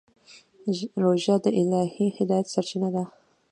روژه د الهي هدایت سرچینه ده.